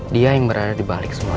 dia yang berada dibalik semua ini